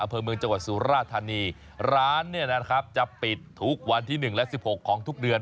อำเภอเมืองจังหวัดสุราธานีร้านเนี่ยนะครับจะปิดทุกวันที่๑และ๑๖ของทุกเดือน